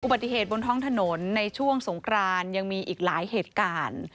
ปฏิบนท้องถนนในช่วงสงครานยังมีอีกหลายเหตุการณ์